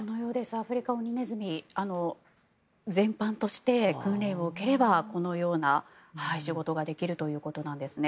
アフリカオニネズミ全般として訓練を受ければこのような仕事ができるということなんですね。